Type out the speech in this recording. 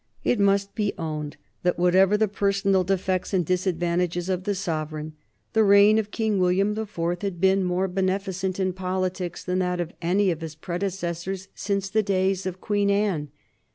It must be owned that, whatever the personal defects and disadvantages of the sovereign, the reign of King William the Fourth had been more beneficent in politics than that of any of his predecessors since the days of Queen Anne.